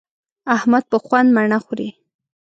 احمد په خوند مڼه خوري.